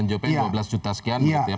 njop nya rp dua belas sekian